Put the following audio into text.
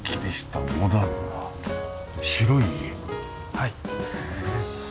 はい。